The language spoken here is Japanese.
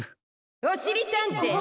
・おしりたんてい！